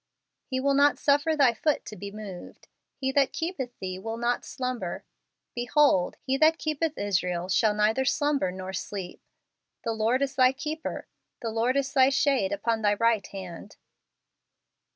" He will not suffer thy foot to be moved: He that keepeth thee will not slumber. Behold , He that keepeth Israel shall neither slum¬ ber nor sleep. The Lord is thy keeper: the Lord is thy shade upon thy right hand."